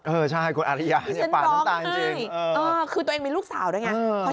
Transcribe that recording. เออใช่คุณอารยาป่านน้ำตาจริงคือตัวเองมีลูกสาวด้วยไงคือตัวเองมีลูกสาวด้วยไง